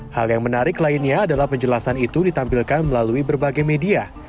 hal yang menarik lainnya adalah penjelasan itu ditampilkan melalui berbagai media